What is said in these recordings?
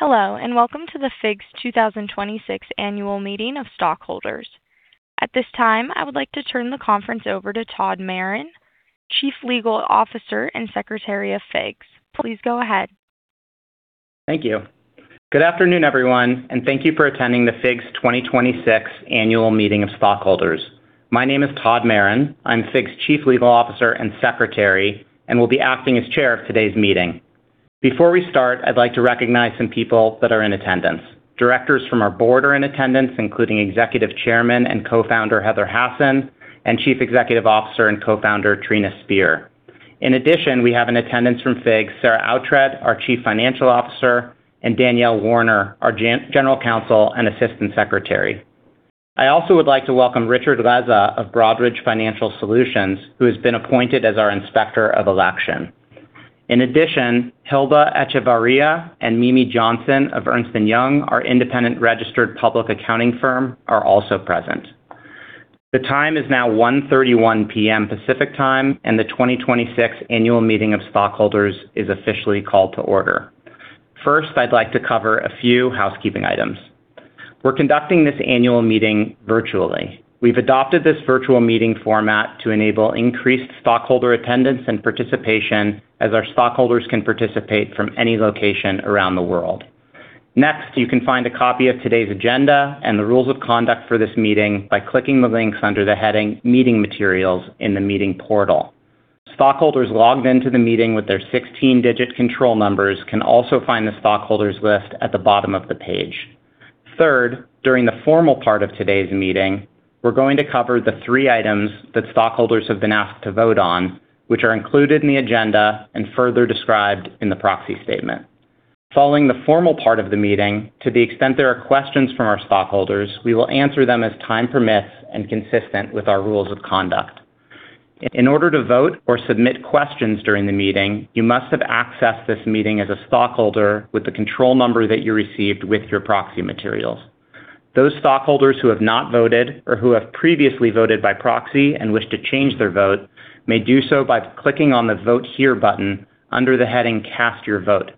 Hello, and welcome to the FIGS 2026 Annual Meeting of Stockholders. At this time, I would like to turn the conference over to Todd Maron, Chief Legal Officer and Secretary of FIGS. Please go ahead. Thank you. Good afternoon, everyone, and thank you for attending the FIGS 2026 Annual Meeting of Stockholders. My name is Todd Maron. I'm FIGS Chief Legal Officer and Secretary and will be acting as Chair of today's meeting. Before we start, I'd like to recognize some people that are in attendance. Directors from our board are in attendance, including Executive Chairman and Co-Founder Heather Hasson, and Chief Executive Officer and Co-Founder Trina Spear. In addition, we have in attendance from FIGS, Sarah Oughtred, our Chief Financial Officer, and Danielle Warner, our General Counsel and Assistant Secretary. I also would like to welcome Richard Reza of Broadridge Financial Solutions, who has been appointed as our inspector of election. In addition, Hilda Echeverria and Mimi Johnson of Ernst & Young, our independent registered public accounting firm, are also present. The time is now 1:31 P.M. Pacific Time, and the 2026 Annual Meeting of Stockholders is officially called to order. First, I'd like to cover a few housekeeping items. We're conducting this annual meeting virtually. We've adopted this virtual meeting format to enable increased stockholder attendance and participation as our stockholders can participate from any location around the world. Next, you can find a copy of today's agenda and the rules of conduct for this meeting by clicking the links under the heading, Meeting Materials, in the meeting portal. Stockholders logged into the meeting with their 16-digit control numbers can also find the stockholders' list at the bottom of the page. Third, during the formal part of today's meeting, we're going to cover the three items that stockholders have been asked to vote on, which are included in the agenda and further described in the proxy statement. Following the formal part of the meeting, to the extent there are questions from our stockholders, we will answer them as time permits and consistent with our rules of conduct. In order to vote or submit questions during the meeting, you must have accessed this meeting as a stockholder with the control number that you received with your proxy materials. Those stockholders who have not voted or who have previously voted by proxy and wish to change their vote may do so by clicking on the Vote Here button under the heading, Cast Your Vote.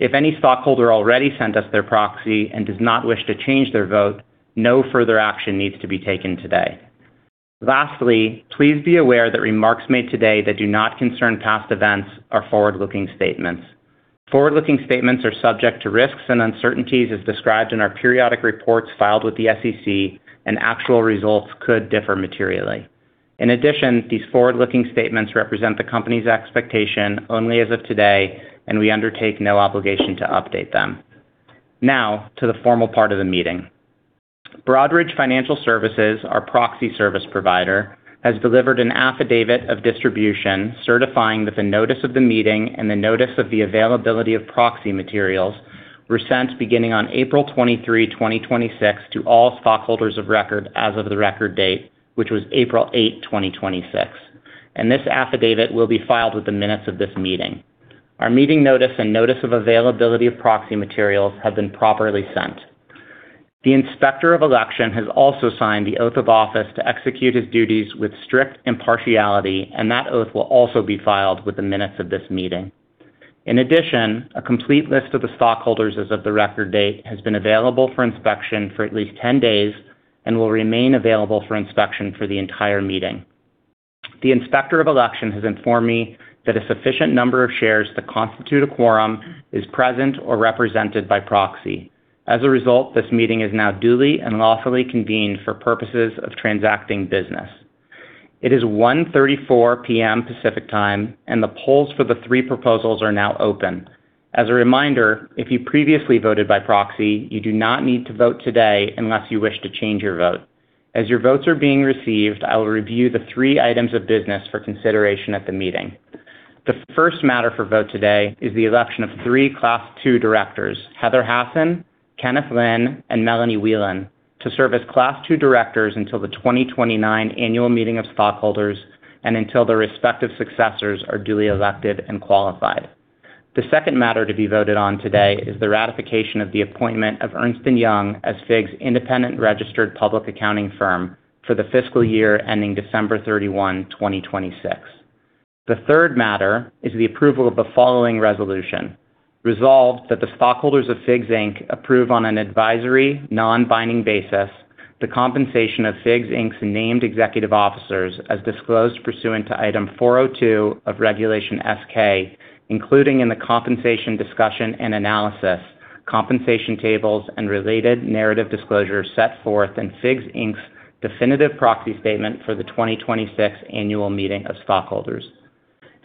If any stockholder already sent us their proxy and does not wish to change their vote, no further action needs to be taken today. Lastly, please be aware that remarks made today that do not concern past events are forward-looking statements. Forward-looking statements are subject to risks and uncertainties as described in our periodic reports filed with the SEC, and actual results could differ materially. In addition, these forward-looking statements represent the company's expectation only as of today, and we undertake no obligation to update them. Now, to the formal part of the meeting. Broadridge Financial Solutions, our proxy service provider, has delivered an affidavit of distribution certifying that the notice of the meeting and the notice of the availability of proxy materials were sent beginning on April 23rd, 2026 to all stockholders of record as of the record date, which was April 8th, 2026, and this affidavit will be filed with the minutes of this meeting. Our meeting notice and notice of availability of proxy materials have been properly sent. The inspector of election has also signed the oath of office to execute his duties with strict impartiality, and that oath will also be filed with the minutes of this meeting. In addition, a complete list of the stockholders as of the record date has been available for inspection for at least 10 days and will remain available for inspection for the entire meeting. The inspector of election has informed me that a sufficient number of shares that constitute a quorum is present or represented by proxy. As a result, this meeting is now duly and lawfully convened for purposes of transacting business. It is 1:34 P.M. Pacific Time, and the polls for the three proposals are now open. As a reminder, if you previously voted by proxy, you do not need to vote today unless you wish to change your vote. As your votes are being received, I will review the three items of business for consideration at the meeting. The first matter for vote today is the election of three Class II Directors, Heather Hasson, Kenneth Lin, and Melanie Whelan, to serve as Class II Directors until the 2029 Annual Meeting of Stockholders and until their respective successors are duly elected and qualified. The second matter to be voted on today is the ratification of the appointment of Ernst & Young as FIGS independent registered public accounting firm for the fiscal year ending December 31, 2026. The third matter is the approval of the following resolution. Resolved, that the stockholders of FIGS, Inc. approve on an advisory, non-binding basis the compensation of FIGS, Inc.'s named executive officers as disclosed pursuant to Item 402 of Regulation S-K, including in the Compensation Discussion and Analysis, compensation tables, and related narrative disclosures set forth in FIGS, Inc.'s definitive proxy statement for the 2026 Annual Meeting of Stockholders.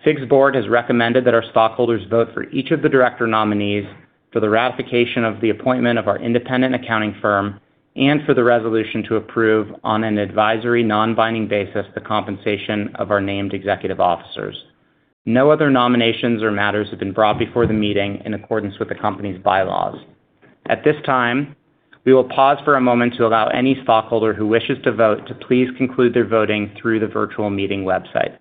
FIGS board has recommended that our stockholders vote for each of the director nominees for the ratification of the appointment of our independent accounting firm and for the resolution to approve, on an advisory, non-binding basis, the compensation of our named executive officers. No other nominations or matters have been brought before the meeting in accordance with the company's bylaws. At this time, we will pause for a moment to allow any stockholder who wishes to vote to please conclude their voting through the virtual meeting website.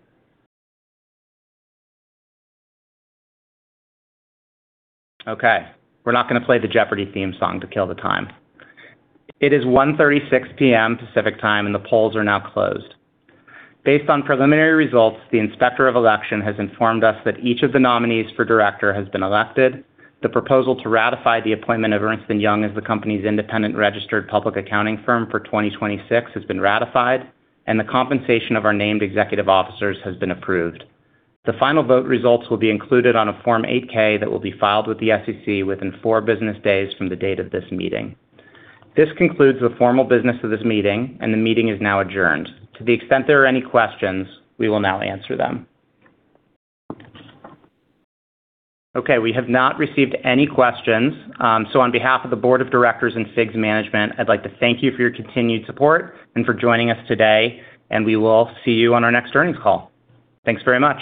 Okay, we're not going to play the Jeopardy! theme song to kill the time. It is 1:36 P.M. Pacific Time, and the polls are now closed. Based on preliminary results, the inspector of election has informed us that each of the nominees for director has been elected, the proposal to ratify the appointment of Ernst & Young as the company's independent registered public accounting firm for 2026 has been ratified, and the compensation of our named executive officers has been approved. The final vote results will be included on a Form 8-K that will be filed with the SEC within four business days from the date of this meeting. This concludes the formal business of this meeting, and the meeting is now adjourned. To the extent there are any questions, we will now answer them. Okay. We have not received any questions. On behalf of the board of directors and FIGS management, I'd like to thank you for your continued support and for joining us today, and we will see you on our next earnings call. Thanks very much.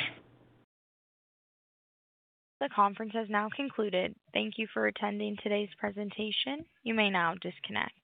The conference has now concluded. Thank you for attending today's presentation. You may now disconnect.